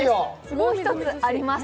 もう一つあります。